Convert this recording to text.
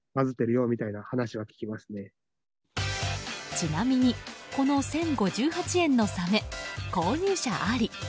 ちなみにこの１０５８円のサメ購入者あり！